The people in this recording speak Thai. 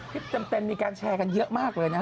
พิษเต็มมีการแชร์กันเยอะมากเลย